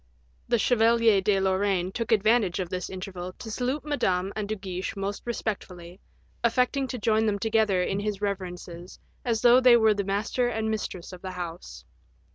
The Chevalier de Lorraine took advantage of this interval to salute Madame and De Guiche most respectfully, affecting to join them together in his reverences as though they were the master and mistress of the house.